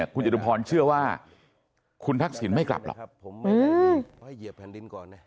คุณเจฐุพรเชื่อว่าคุณทักษิณไม่กลับหรอก